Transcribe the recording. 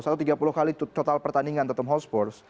atau tiga puluh kali total pertandingan tottenham hotspur